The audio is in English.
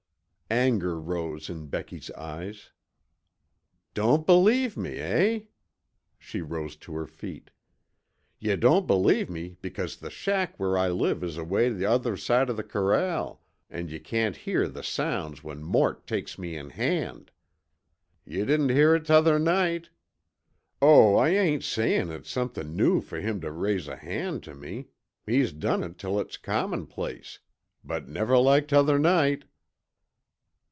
Anger rose in Becky's eyes. "Don't believe me, eh?" She rose to her feet. "Yuh don't believe me because the shack where I live is away t'other side of the corral, an' yuh can't hear the sounds when Mort takes me in hand. Yuh didn't hear it t'other night. Oh, I ain't sayin' it's somethin' new fer him tuh raise a hand tuh me; he's done it till it's commonplace, but never like t'other night!"